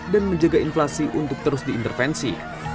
dan menjaga inflasi untuk terus diintervensi